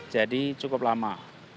jadi cukup lama